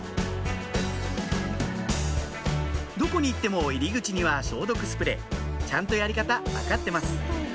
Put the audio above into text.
どこに行っても入り口には消毒スプレーちゃんとやり方分かってます